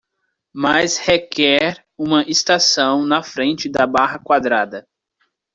Mas requer uma estação na frente da barra quadrada.